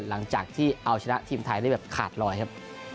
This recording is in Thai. หลังจากที่เอาชนะทีมไทยได้แบบขาดรอยครับ